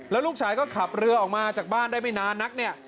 แล้วลูกชายก็ขับเรือออกมาจากบ้านได้ไม่นานนักเนี่ย